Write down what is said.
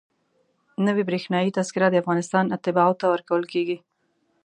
نوې برېښنایي تذکره د افغانستان اتباعو ته ورکول کېږي.